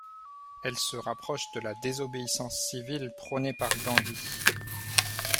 Elle se rapproche de la désobéissance civile prônée par Gandhi.